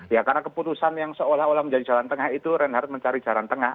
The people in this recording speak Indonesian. ya karena keputusan yang seolah olah menjadi jalan tengah itu reinhardt mencari jalan tengah